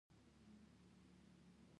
په تېرو څوارلسو کلونو کې.